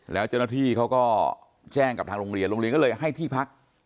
แล้วเจ้าหน้าที่เขาก็แจ้งกับทางโรงเรียนโรงเรียนก็เลยให้ที่พัก